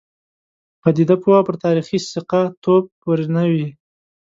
پدیده پوه پر تاریخي ثقه توب پورې نه وي.